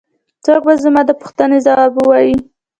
څوک به زما د پوښتنې ځواب ووايي.